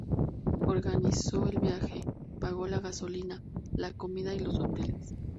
Organizó el viaje, pago la gasolina, la comida y los hoteles.